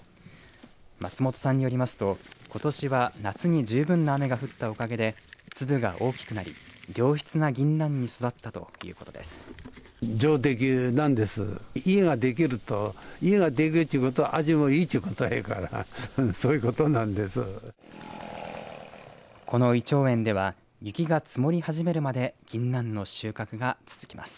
松本さんによりますとことしは夏に十分な雨が降ったおかげで粒が大きくなり良質なぎんなんに育ったということです。